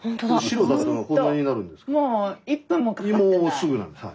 もうすぐなんではい。